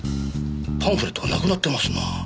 パンフレットがなくなってますなあ。